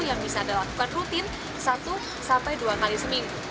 yang bisa dilakukan rutin satu dua kali seminggu